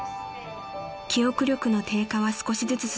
［記憶力の低下は少しずつ進み